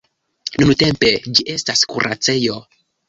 Nuntempe ĝi estas kuracejo.